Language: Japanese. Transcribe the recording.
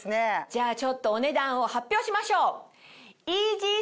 じゃあちょっとお値段を発表しましょう！